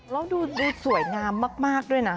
แล้วดูสวยงามมากด้วยนะ